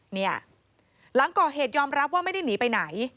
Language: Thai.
หลังก่อเหตุยอมรับว่าไม่ได้หนีไปไหน